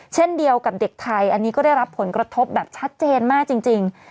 เช่นเดียวกับเด็กไทยอันนี้ก็ได้รับผลกระทบแบบชัดเจนมากจริง